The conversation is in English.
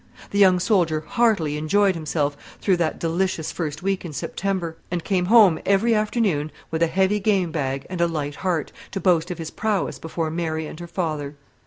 The young soldier heartily enjoyed himself through that delicious first week in September; and came home every afternoon, with a heavy game bag and a light heart, to boast of his prowess before Mary and her father.